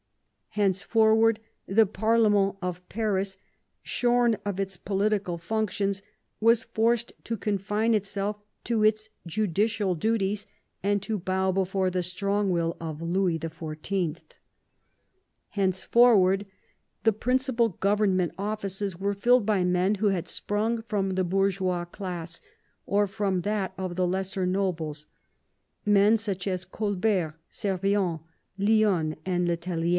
Henceforward the parlemeni of Paris, shorn of its political functions, was forced to confine itself to its judicial duties, and to bow before the strong will of Louis XIV. Henceforward VI THE CLOSE OF THE FRONDE 118 the principal government offices were filled by men who had sprung from the bourgeois class, or from that of the lesser nobles — men such as Colbert, Servien, Lionne, and le Tellier.